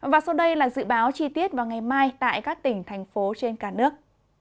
và sau đây là dự báo chi tiết vào ngày mai tại các tỉnh thành phố trên cả nước